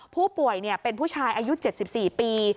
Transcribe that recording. ผู้ป่วยเป็นผู้ชายอายุ๗๔ปี